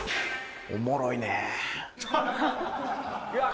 おもろいね。